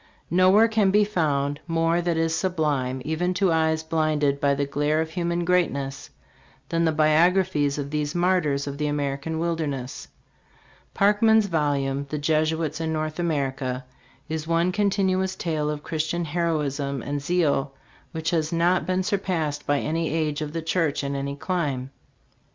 Nowhere can be found '' more that is sublime even to eyes blinded by the glare of human greatness '' than in the biographies of these martyrs of the American wilderness. Park man's volume, "The Jesuits in North America," is one continuous tale of Christian heroism and zeal, which has not been surpassed by any age of the church in any clime.